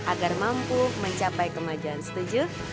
agar mampu mencapai kemajuan setuju